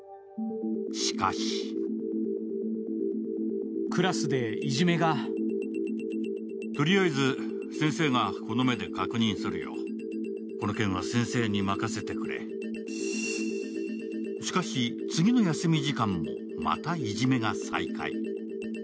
しかししかし、次の休み時間も、またいじめが再開。